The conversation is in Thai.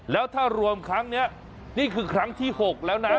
แล้วถ้ารวมครั้งนี้นี่คือครั้งที่๖แล้วนะ